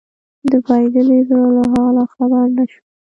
د بايللي زړه له حاله خبر نه شوم